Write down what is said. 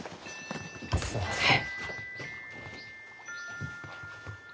すみません。